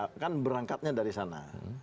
ya kan berangkatnya dari sana